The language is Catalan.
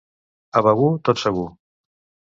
A Begur, tot segur.